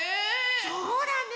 そうだね！